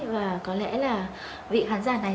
và có lẽ là vị khán giả này